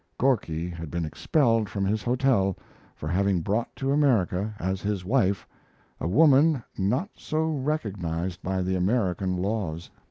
Gorky had been expelled from his hotel for having brought to America, as his wife, a woman not so recognized by the American laws.